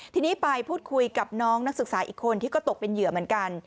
ทีนี้ไปพูดคุยกับน้องนักศึกษาอีกคนที่ก็ตกเป็นเหยื่อเหมือนกัน